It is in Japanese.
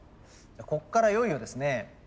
こっからいよいよですね